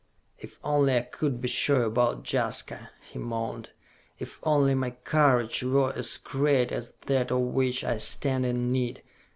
"If only I could be sure about Jaska!" he moaned. "If only my courage were as great as that of which I stand in need!